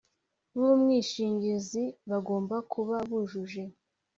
b umwishingizi bagomba kuba bujuje